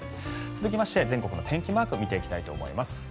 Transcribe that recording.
続きまして全国の天気マークを見ていきたいと思います。